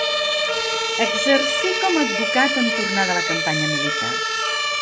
Exercí com a advocat en tornar de la campanya militar.